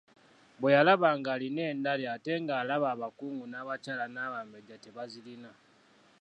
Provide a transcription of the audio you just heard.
Bwe yalaba ng'alina endali ate ng'alaba abakungu n'abakyala n'Abambejja tebazirina.